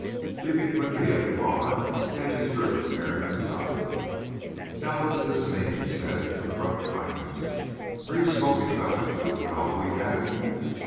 Leaving Quinby at the bar, Hedges drew Merriam aside. "Now, what does this mean?" he said, with gruff kindness. "Are you sulking about that fool row we had?"